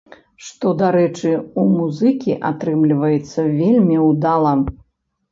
Што, дарэчы, у музыкі атрымліваецца вельмі ўдала.